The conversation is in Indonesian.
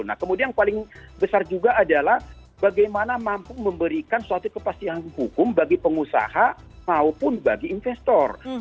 nah kemudian yang paling besar juga adalah bagaimana mampu memberikan suatu kepastian hukum bagi pengusaha maupun bagi investor